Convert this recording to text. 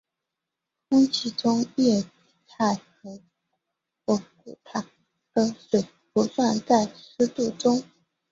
空气中液态或固态的水不算在湿度中。